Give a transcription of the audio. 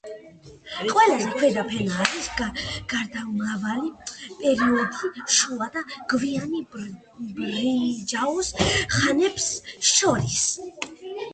ყველაზე ქვედა ფენა არის გარდამავალი პერიოდი შუა და გვიანი ბრინჯაოს ხანებს შორის.